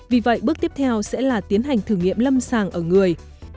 vì vậy bước tiếp theo sẽ là tiến hành thử nghiệm lâm sàng ở người